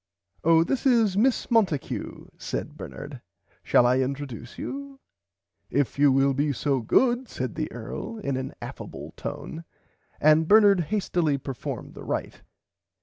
Oh this is Miss Monticue said Bernard shall I introduce you If you will be so good said the Earl in an affable tone and Bernard hastily performed the right.